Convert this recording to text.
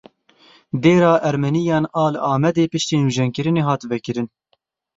Dêra Ermeniyan a li Amedê piştî nûjenkirinê hat vekirin.